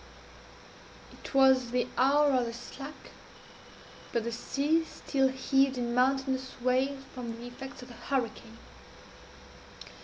_ It was the 20 hour of the slack, but the sea still heaved in mountainous waves from the effects of the hurricane.